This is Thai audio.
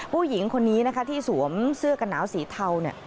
ผู้หญิงคนนี้นะคะที่สวมเสื้อกันหนาวสีเทา